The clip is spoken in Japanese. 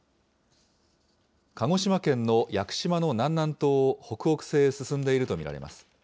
鹿児島県の屋久島の南南東を北北西へ進んでいると見られます。